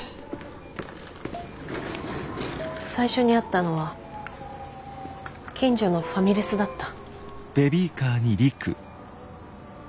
最初に会ったのは近所のファミレスだった。